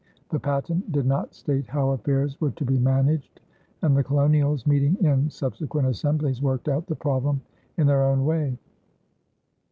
The patent did not state how affairs were to be managed, and the colonials, meeting in subsequent assemblies, worked out the problem in their own way.